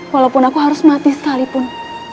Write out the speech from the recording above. walaupun aku harus mati sekalipun